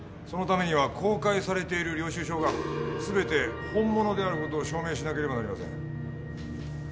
そのためには公開されている領収書が全て本物である事を証明しなければなりません。